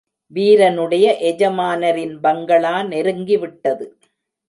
வீரனுடைய எஜமானரின் பங்களா நெருங்கிவிட்டது.